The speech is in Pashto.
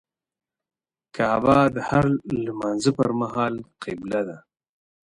کعبه د هر لمونځه پر مهال قبله ده.